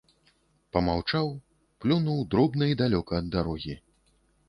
Памаўчаў, плюнуў дробна і далёка ад дарогі.